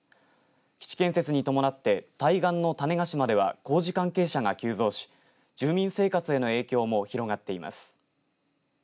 基地建設に伴って対岸の種子島では工事関係者が急増し住民生活への影響も広がっています。